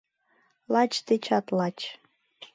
— Лач дечат лач!